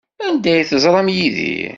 Anda ay teẓram Yidir?